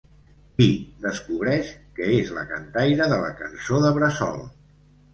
Qui descobreix que és la cantaire de la cançó de bressol?